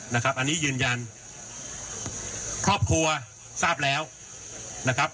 นะครับอันนี้ยืนยันครอบครัวทราบแล้วนะครับ